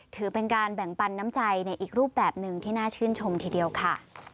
ถือเป็นการแบ่งปันน้ำใจในอีกรูปแบบหนึ่งที่น่าชื่นชมทีเดียวค่ะ